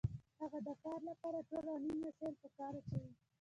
هغه د کار لپاره ټول اړین وسایل په کار اچوي